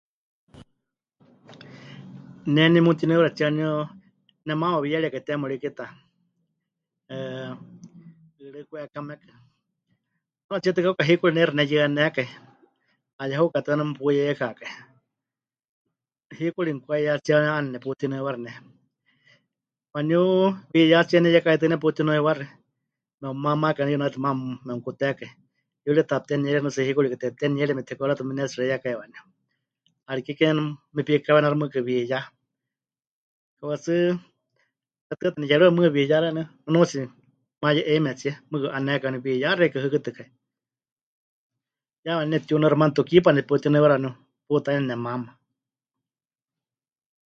Ne nemutinuiwaxɨtsie waníu nemaama pɨwiyariekai Teemurí Kita, eh, 'ɨɨrɨ́ Kwekamekɨ, 'anatsíe ta kauka Hikuri Neixa neyɨanékai, 'ayehukátɨ waníu maana puyeikakai, hikuri mɨkwaiyatsie 'aana neputinuiwaxɨ ne. Waníu wiiyátsie neyekaitɨ́ neputinuiwaxɨ, mepɨmamákai waníu yunaitɨ maana memɨkutekai, yuri tekapɨteniere nutsu hikurikɨ tepɨteniere meteku'eriwatɨ mepɨnetsixeiyakai waníu, 'ariké ke waníu mepikawenáxɨ mɨɨkɨ wiiyá, kauka tsɨ tetɨata neyerɨwe mɨɨkɨ wiiyá xeeníu, nunuutsi maye'eimetsie, mɨɨkɨ pɨ'anékai waníu wiiyá xeikɨ́a pɨhɨkɨtɨkai, ya waníu nepɨtiunuiwaxɨ maana, Tuukípa neputinuiwaxɨ waníu putaine nemaama.